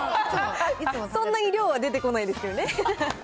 そんなに量は出てこないですけどね。